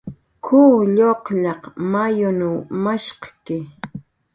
"K""uw lluqllaq mayunw mashqki"